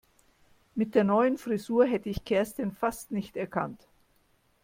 Mit der neuen Frisur hätte ich Kerstin fast nicht erkannt.